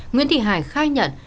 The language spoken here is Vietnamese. nguyễn thị hải khai nhận